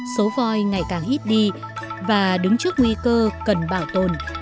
số voi ngày càng ít đi và đứng trước nguy cơ cần bảo tồn